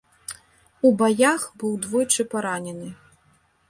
У баях, быў двойчы паранены.